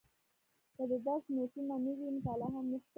که د درس نوټونه نه وي مطالعه هم نشته.